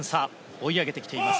追い上げてきています